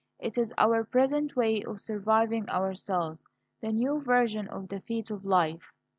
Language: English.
This is our present way of surviving ourselves the new version of that feat of life.